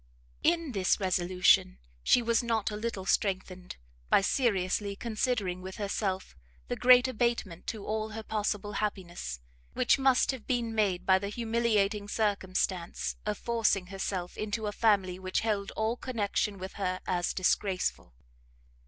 In this resolution she was not a little strengthened, by seriously considering with herself the great abatement to all her possible happiness, which must have been made by the humiliating circumstance of forcing herself into a family which held all connection with her as disgraceful.